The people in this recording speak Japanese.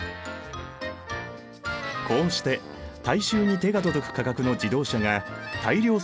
こうして大衆に手が届く価格の自動車が大量生産されるようになった。